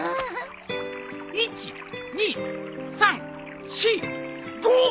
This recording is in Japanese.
１２３４５。